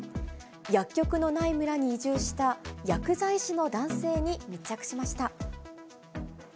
薬局のない村に移住した薬剤師の男性に密着しました。